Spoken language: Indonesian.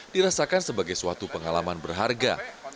dirasakan sebagai suatu pengalaman berharga